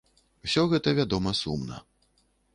Усё гэта, вядома, сумна.